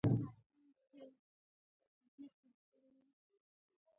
دا سبک په هند افغانستان او ایران کې مشهور و